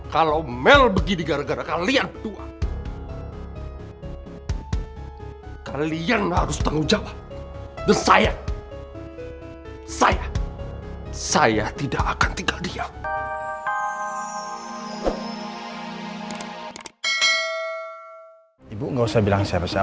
kalau mel begini gara gara kalian berdua